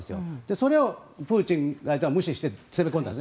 それをプーチン大統領は無視して攻め込んだんです。